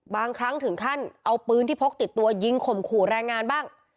บางครั้งถึงขั้นเอาปืนที่พกติดตัวยิงข่มขู่แรงงานบ้าง